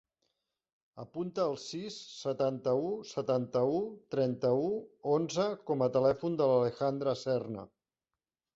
Apunta el sis, setanta-u, setanta-u, trenta-u, onze com a telèfon de l'Alejandra Serna.